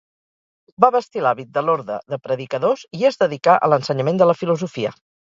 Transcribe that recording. Va vestir l'hàbit de l'Orde de Predicadors i es dedicà a l'ensenyament de la filosofia.